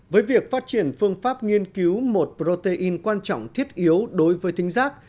với việc phát triển phương pháp nghiên cứu một protein quan trọng thiết yếu đối với thính giác